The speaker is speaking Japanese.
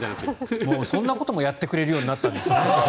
そんなこともやってくれるようになったんですね。